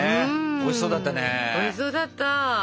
おいしそうだった。